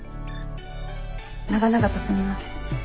長々とすみません。